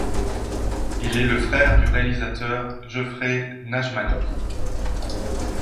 Il est le frère du réalisateur Jeffrey Nachmanoff.